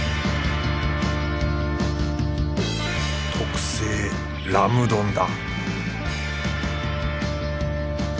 特製ラム丼だ